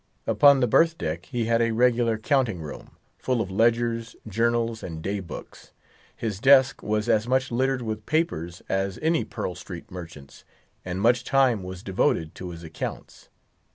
Upon the berth deck he had a regular counting room, full of ledgers, journals, and day books. His desk was as much littered with papers as any Pearl Street merchant's, and much time was devoted to his accounts.